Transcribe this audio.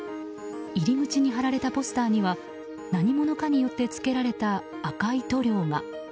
入り口に貼られたポスターには何者かによってつけられた赤い塗料が。